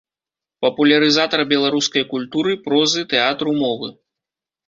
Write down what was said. Папулярызатар беларускай культуры, прозы, тэатру, мовы.